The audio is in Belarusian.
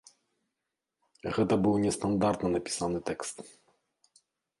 Гэта быў нестандартна напісаны тэкст.